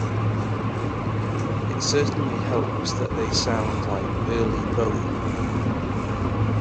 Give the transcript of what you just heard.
It certainly helps that they sound like early Bowie.